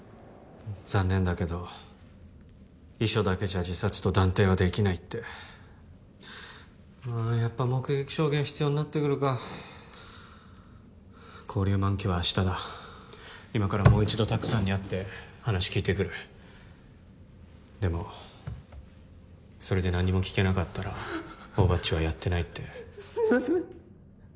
残念だけど遺書だけじゃ自殺と断定はできないってああやっぱ目撃証言必要になってくるか勾留満期は明日だ今からもう一度拓さんに会って話聞いてくるでもそれで何も聞けなかったら大庭っちはやってないってすいません